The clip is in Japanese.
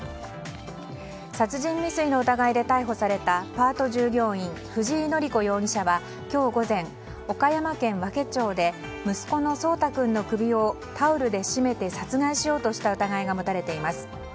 殺人未遂の疑いで逮捕されたパート従業員藤井典子容疑者は今日午前岡山県和気町で息子の蒼天君の首をタオルで絞めて殺害しようとした疑いが持たれています。